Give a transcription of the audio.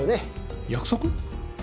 約束？